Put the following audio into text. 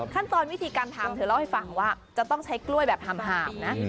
ขั้นตอนวิธีการทำเธอเล่าให้ฟังว่าจะต้องใช้กล้วยแบบหามนะ